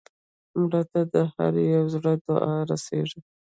مړه ته د هر یو زړه دعا رسېږي